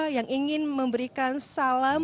yang ingin memberikan salam